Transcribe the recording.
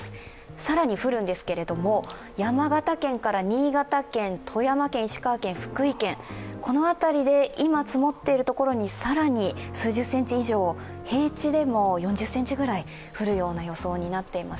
更に降るんですけども、山形県から新潟県、富山県、石川県、福井県、この辺りで今、積もっている所に更に数十センチ以上、平地でも４０ｃｍぐらい降るような予想になっています。